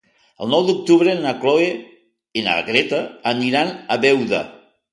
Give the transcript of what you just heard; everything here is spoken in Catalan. El nou d'octubre na Cloè i na Greta aniran a Beuda.